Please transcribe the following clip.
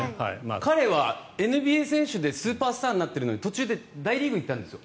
彼はＮＢＡ選手でスーパースターになっているので途中で大リーグに行ったんです。